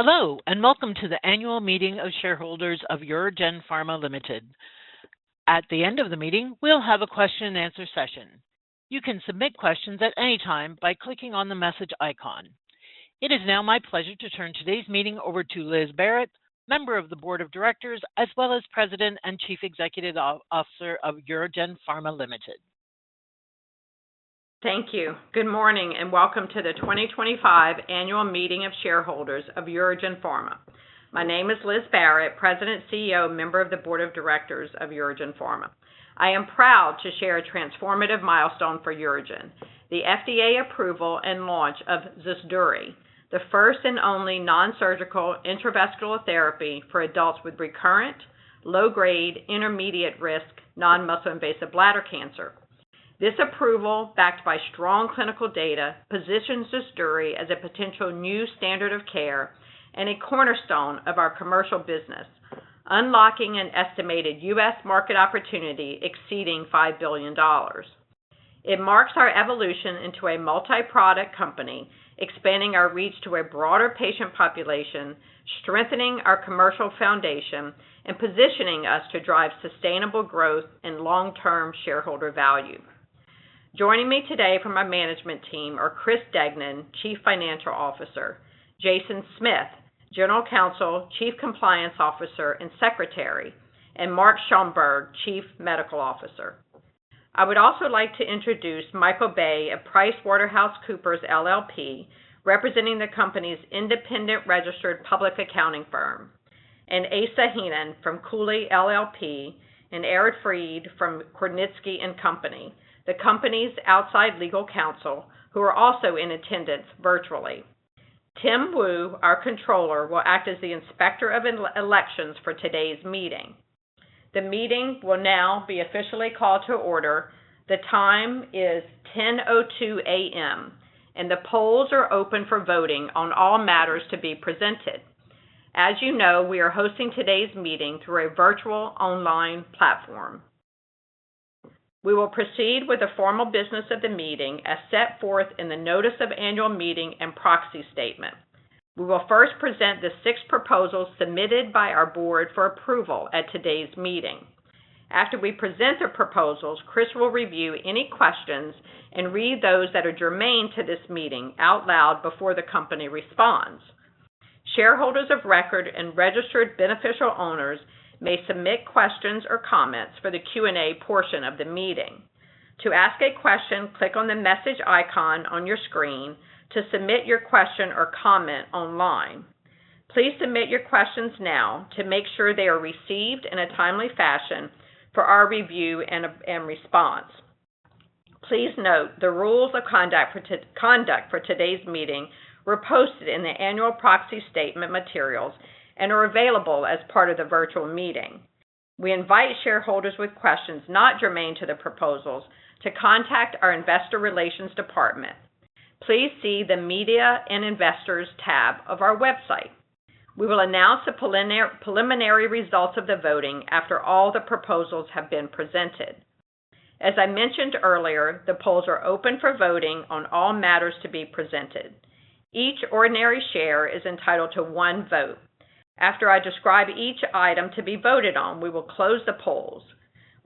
Hello and welcome to the Annual Meeting of Shareholders of UroGen Pharma Ltd. At the end of the meeting, we'll have a question and answer session. You can submit questions at any time by clicking on the message icon. It is now my pleasure to turn today's meeting over to Liza Barrett, member of the Board of Directors, as well as President and Chief Executive Officer of UroGen Pharma Ltd. Thank you. Good morning and welcome to the 2025 Annual Meeting of Shareholders of UroGen Pharma. My name is Liz Barrett, President, CEO, member of the Board of Directors of UroGen Pharma. I am proud to share a transformative milestone for UroGen: the FDA approval and launch of ZUSDURI, the first and only non-surgical intravesical therapy for adults with recurrent, low-grade, intermediate-risk non-muscle invasive bladder cancer. This approval, backed by strong clinical data, positions ZUSDURI as a potential new standard of care and a cornerstone of our commercial business, unlocking an estimated U.S. market opportunity exceeding $5 billion. It marks our evolution into a multi-product company, expanding our reach to a broader patient population, strengthening our commercial foundation, and positioning us to drive sustainable growth and long-term shareholder value. Joining me today from my management team are Chris Degnan, Chief Financial Officer; Jason Smith, General Counsel, Chief Compliance Officer and Secretary; and Mark Schoenberg, Chief Medical Officer. I would also like to introduce Michael Bay of PricewaterhouseCoopers LLP, representing the company's independent registered public accounting firm; and Asa Henin from Cooley LLP; and Ari Fried from Gornitzky & Company, the company's outside legal counsel, who are also in attendance virtually. Tim Wu, our controller, will act as the inspector of elections for today's meeting. The meeting will now be officially called to order. The time is 10:02 A.M., and the polls are open for voting on all matters to be presented. As you know, we are hosting today's meeting through a virtual online platform. We will proceed with the formal business of the meeting as set forth in the notice of annual meeting and proxy statement. We will first present the six proposals submitted by our Board for approval at today's meeting. After we present the proposals, Chris will review any questions and read those that are germane to this meeting out loud before the company responds. Shareholders of record and registered beneficial owners may submit questions or comments for the Q&A portion of the meeting. To ask a question, click on the "Message" icon on your screen to submit your question or comment online. Please submit your questions now to make sure they are received in a timely fashion for our review and response. Please note the rules of conduct for today's meeting were posted in the annual proxy statement materials and are available as part of the virtual meeting. We invite shareholders with questions not germane to the proposals to contact our investor relations department. Please see the Media and Investors tab of our website. We will announce the preliminary results of the voting after all the proposals have been presented. As I mentioned earlier, the polls are open for voting on all matters to be presented. Each ordinary share is entitled to one vote. After I describe each item to be voted on, we will close the polls.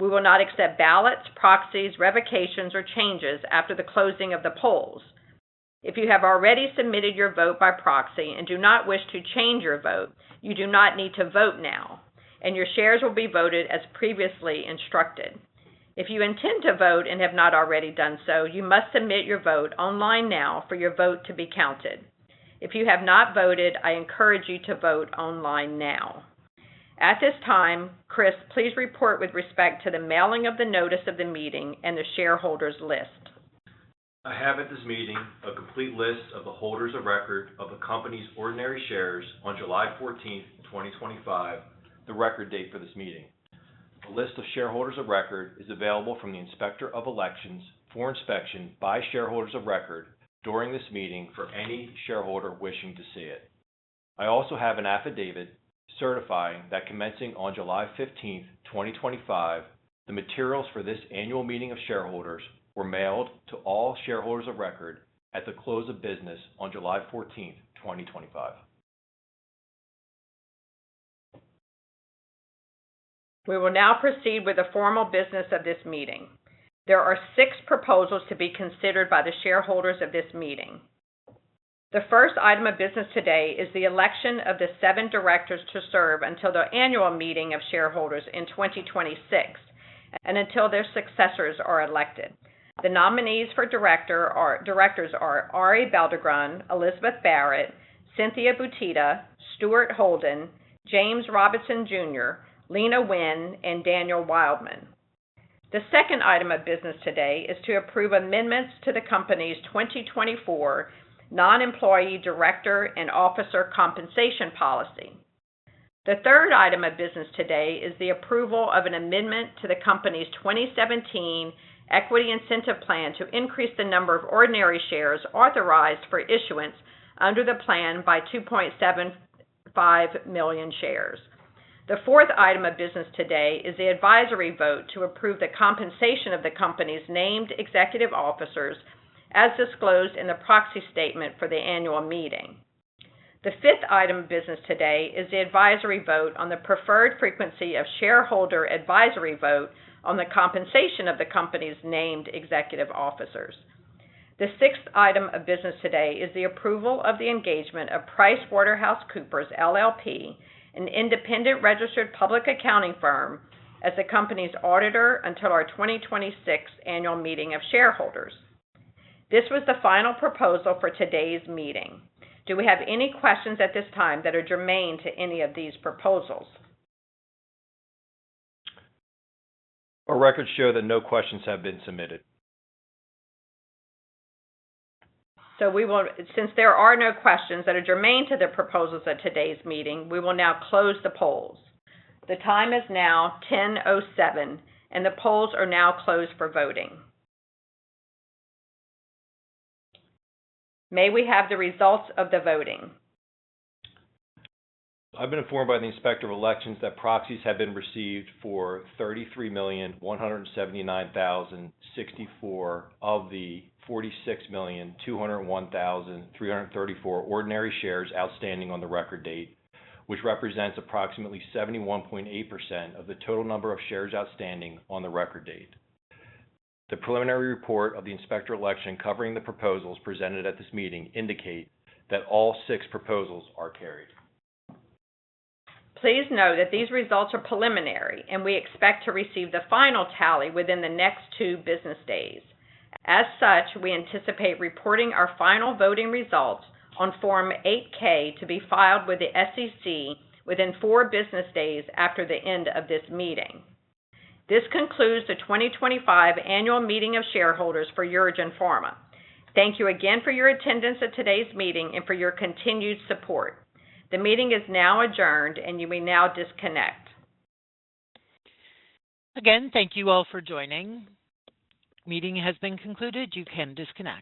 We will not accept ballots, proxies, revocations, or changes after the closing of the polls. If you have already submitted your vote by proxy and do not wish to change your vote, you do not need to vote now, and your shares will be voted as previously instructed. If you intend to vote and have not already done so, you must submit your vote online now for your vote to be counted. If you have not voted, I encourage you to vote online now. At this time, Chris, please report with respect to the mailing of the notice of the meeting and the shareholders' list. I have at this meeting a complete list of the holders of record of the company's ordinary shares on July 14th, 2025, the record date for this meeting. The list of shareholders of record is available from the inspector of elections for inspection by shareholders of record during this meeting for any shareholder wishing to see it. I also have an affidavit certifying that commencing on July 15th, 2025, the materials for this Annual Meeting of Shareholders were mailed to all shareholders of record at the close of business on July 14th, 2025. We will now proceed with the formal business of this meeting. There are six proposals to be considered by the shareholders of this meeting. The first item of business today is the election of the seven directors to serve until the Annual Meeting of Shareholders in 2026 and until their successors are elected. The nominees for directors are Arie Belldegrun, Elizabeth Barrett, Cynthia Butitta, Stuart Holden, James Robinson, Jr., Leana Wen, and Daniel Wildman. The second item of business today is to approve amendments to the company's 2024 Non-Employee Director and Officer Compensation policy. The third item of business today is the approval of an amendment to the company's 2017 Equity Incentive Plan to increase the number of ordinary shares authorized for issuance under the plan by 2.75 million shares. The fourth item of business today is the advisory vote to approve the compensation of the company's named executive officers, as disclosed in the proxy statement for the annual meeting. The fifth item of business today is the advisory vote on the preferred frequency of shareholder advisory vote on the compensation of the company's named executive officers. The sixth item of business today is the approval of the engagement of PricewaterhouseCoopers LLP, an independent registered public accounting firm, as the company's auditor until our 2026 Annual Meeting of Shareholders. This was the final proposal for today's meeting. Do we have any questions at this time that are germane to any of these proposals? Our records show that no questions have been submitted. Since there are no questions that are germane to the proposals at today's meeting, we will now close the polls. The time is now 10:07 A.M., and the polls are now closed for voting. May we have the results of the voting? I've been informed by the Inspector of Elections that proxies have been received for 33,179,064 of the 46,201,334 ordinary shares outstanding on the record date, which represents approximately 71.8% of the total number of shares outstanding on the record date. The preliminary report of the Inspector of Elections covering the proposals presented at this meeting indicates that all six proposals are carried. Please note that these results are preliminary, and we expect to receive the final tally within the next two business days. As such, we anticipate reporting our final voting results on Form 8-K to be filed with the SEC within four business days after the end of this meeting. This concludes the 2025 Annual Meeting of Shareholders for UroGen Pharma. Thank you again for your attendance at today's meeting and for your continued support. The meeting is now adjourned, and you may now disconnect. Again, thank you all for joining. Meeting has been concluded. You can disconnect.